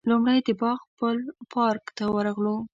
لومړی د باغ پل پارک ته ورغلو.